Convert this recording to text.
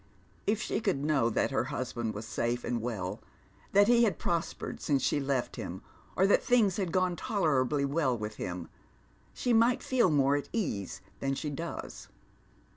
If she could know that her husband was safe and well, that he had prospered since she left him, or that things had gono tolerably well with him, she might feel more at ease than she does.